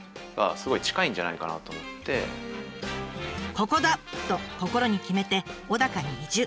ここだ！と心に決めて小高に移住。